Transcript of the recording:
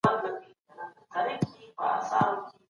د اسلام اقتصادي نظام؛